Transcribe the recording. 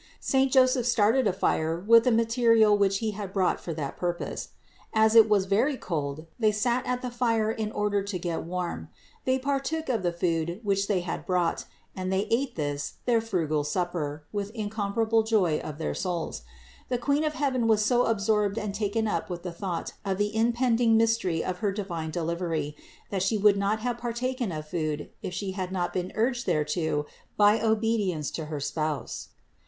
Saint Joseph started a fire with the material which he had brought for that purpose. As it was very cold, they sat at the fire in order to get warm. They partook of the food which they had brought, and they ate this, their frugal supper, with incomparable joy of their souls. The Queen of heaven was so absorbed and taken up with the thought of the impending mystery of her divine delivery, that She would not have partaken of food if She had not been urged thereto by obedience to her spouse.